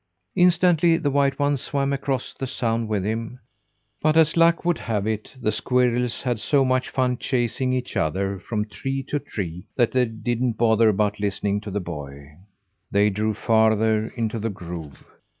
Instantly the white one swam across the sound with him; but as luck would have it the squirrels had so much fun chasing each other from tree to tree, that they didn't bother about listening to the boy. They drew farther into the grove.